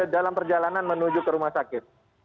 dalam perjalanan menuju ke rumah sakit